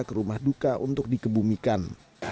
ke rumah duka untuk dikebumikan